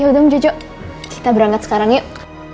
yaudah jojo kita berangkat sekarang yuk